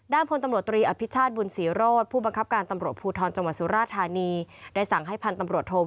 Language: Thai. พลตำรวจตรีอภิชาติบุญศรีโรธผู้บังคับการตำรวจภูทรจังหวัดสุราธานีได้สั่งให้พันธุ์ตำรวจโท